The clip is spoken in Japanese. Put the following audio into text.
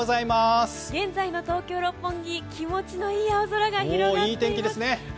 現在の東京・六本木気持ちのいい青空が広がっています。